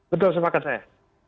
betul semangat saya